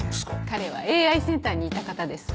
彼はＡｉセンターにいた方です。